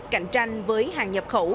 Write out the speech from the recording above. cạnh tranh với hàng nhập khẩu